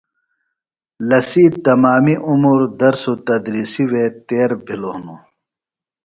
لسی تمامی عمر درس و تدریسی وے تیر بھِلوۡ ہِنوۡ۔